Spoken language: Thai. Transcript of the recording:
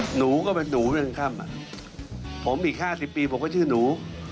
หนูก็เป็นหนูด้วยครับผมอีก๕๐ปีผมก็ชื่อนู